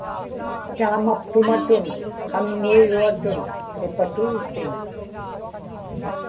taamaptumatun qamŋuiruatun nipaturutin